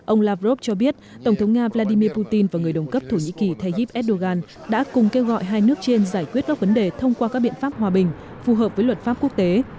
ông lavrov cho biết tổng thống nga vladimir putin và người đồng cấp thổ nhĩ kỳ tayyip erdogan đã cùng kêu gọi hai nước trên giải quyết các vấn đề thông qua các biện pháp hòa bình phù hợp với luật pháp quốc tế